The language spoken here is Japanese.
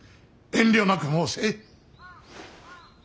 遠慮なく申せ。